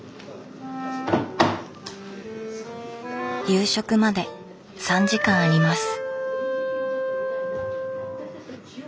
夕食まで３時間あります。